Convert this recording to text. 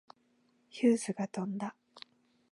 ヒューズが飛んだ。